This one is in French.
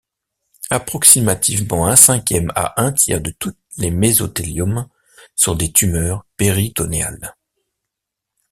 Approximativement un cinquième à un tiers de tous les mésothéliomes sont des tumeurs péritonéales.